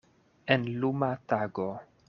En luma tago.